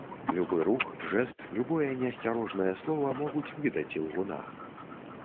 Любы рух, жэст, любое неасцярожнае слова могуць выдаць ілгуна.